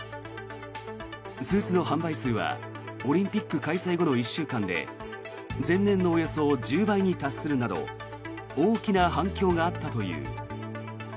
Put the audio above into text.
スーツの販売数はオリンピック開催後の１週間で前年のおよそ１０倍に達するなど大きな反響があったという。